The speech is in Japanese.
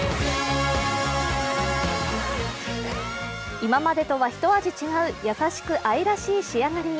今までとは一味違う優しく愛らしい仕上がりに。